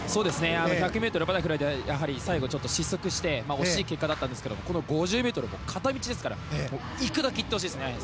１００ｍバタフライでは最後、失速して惜しい結果だったんですけどこの５０ｍは片道なので行くだけ行ってほしいです。